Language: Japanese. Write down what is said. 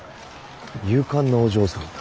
勇敢なお嬢さんだ。